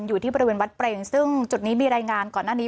อยู่ที่บริเวณวัดเปรนซึ่งจุดนี้มีรายงานก่อนหน้านี้